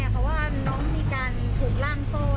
ลูกคือความผอมอยู่กับเราเขาไม่ผอม